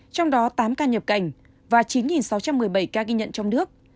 trong đó tám ca nhập cảnh và chín sáu trăm một mươi bảy ca ghi nhận trong nước